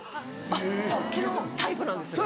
あっそっちのタイプなんですね。